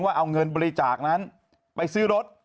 ว่าเอาเงินบริจาคนั้นไปซื้อรถ